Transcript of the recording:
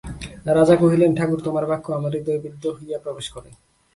রাজা কহিলেন, ঠাকুর, তোমার বাক্য আমার হৃদয়ে বিদ্ধ হইয়া প্রবেশ করে।